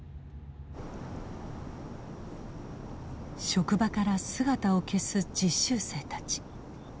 職場から姿を消す実習生たち。